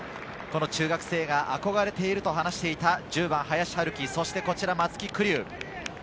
この中学生が憧れていると話していた１０番林晴己、そして松木玖生。